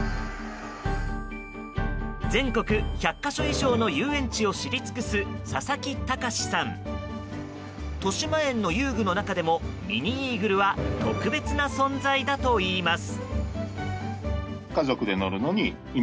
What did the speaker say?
全国１００か所以上の遊園地を知り尽くす佐々木隆さん。としまえんの遊具の中でもミニイーグルは特別な存在だといいます。